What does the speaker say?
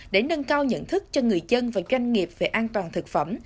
để nâng cao nhận thức cho người dân và doanh nghiệp về an toàn thực phẩm